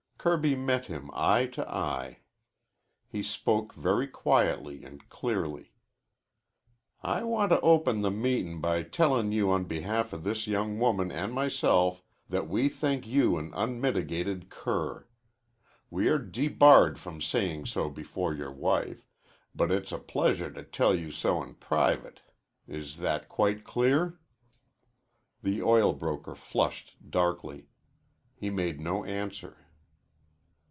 Kirby met him, eye to eye. He spoke very quietly and clearly. "I want to open the meetin' by tellin' you on behalf of this young woman an' myself that we think you an unmitigated cur. We are debarred from sayin' so before your wife, but it's a pleasure to tell you so in private. Is that quite clear?" The oil broker flushed darkly. He made no answer.